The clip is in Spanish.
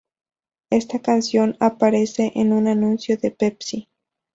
Esta canción aparece en un anuncio de Pepsi.